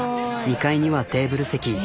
２階にはテーブル席。